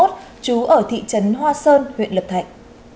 trú ở thị trấn hoa sơn huyện lập thạch